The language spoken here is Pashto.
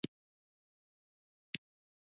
چا لوی لوی تور چایبرونه پرې ایښي او چای پلوري.